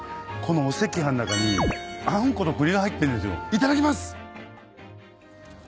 いただきます。